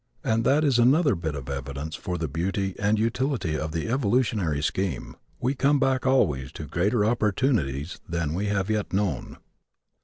And that is another bit of evidence of the beauty and utility of the evolutionary scheme. We come back always to greater opportunities than we have yet known.